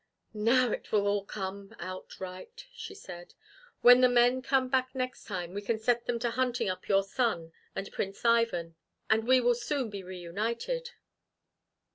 "Now it will all come out right!" she said. "When the men come back next time, we can set them to hunting up your son and Prince Ivan, and we will soon be reunited."